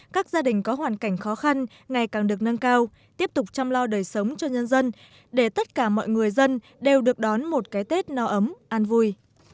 các gia đình có hoàn cảnh khó khăn ngày càng được nâng cao tiếp tục chăm lo đời sống cho nhân dân để tất cả mọi người dân đều được đón một cái tết no ấm an vui